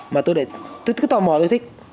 mà tôi lại thích cứ tò mò tôi thích